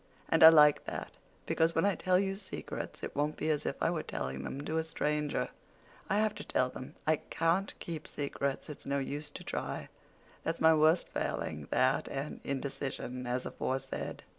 And I like that, because when I tell you secrets it won't be as if I were telling them to a stranger. I have to tell them. I can't keep secrets—it's no use to try. That's my worst failing—that, and indecision, as aforesaid.